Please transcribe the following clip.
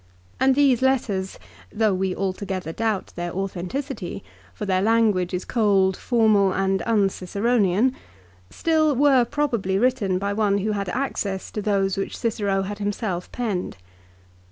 And these letters, though we altogether doubt their THE PHILIPPICS. 261 authenticity, for their language is cold, formal, and un Cicero nian, still were probably written by one who had access to those which Cicero had himself penned.